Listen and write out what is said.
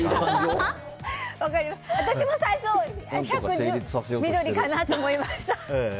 私も最初緑かなと思いました。